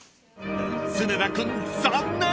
［常田君残念！］